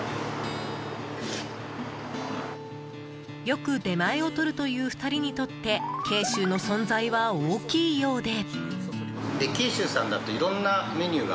よく出前をとるという２人にとって慶修の存在は大きいようで。